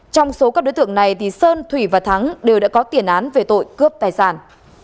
trong số các đối tượng này thì sơn thủy và thắng đều đã có tiền án về tội cướp tài sản